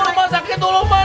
rumah sakit dulu mak